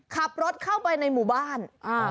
ขับรถเข้าไปในหมู่บ้าน